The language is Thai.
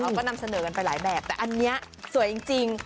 เราก็นำเสนอกันไปหลายแบบแต่อันนี้สวยจริง